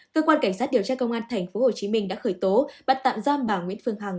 cơ quan cảnh sát điều tra công an tp hcm đã khởi tố bắt tạm giam bà nguyễn phương hằng